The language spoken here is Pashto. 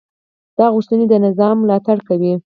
دا غوښتنې د نظم ملاتړ کوي.